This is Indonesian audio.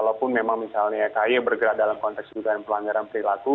kalaupun memang misalnya kaye bergerak dalam konteks peranggaran perilaku